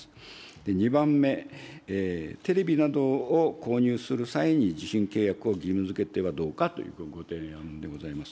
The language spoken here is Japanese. ２番目、テレビなどを購入する際に受信契約を義務づけてはどうかというご提案でございます。